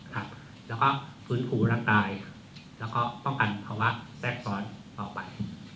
แล้วก็ฟื้นฟูร่างกายแล้วก็ป้องกันภาวะแทรกซ้อนต่อไป